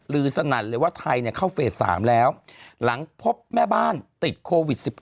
สนั่นเลยว่าไทยเข้าเฟส๓แล้วหลังพบแม่บ้านติดโควิด๑๙